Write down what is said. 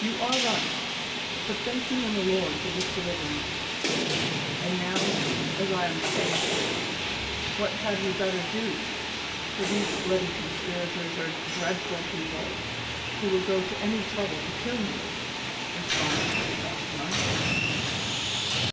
"You are right, but thank you and the Lord for tliis deliverance ; and now, as I am safe, what had we better do, for these bloody conspirators are dreadful people, who would go to any trouble to kill me V " responded Harry Gossiraer.